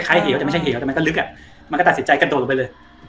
เหี่ยวแต่ไม่ใช่เหวแต่มันก็ลึกอ่ะมันก็ตัดสินใจกระโดดลงไปเลย